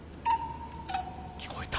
聞こえた。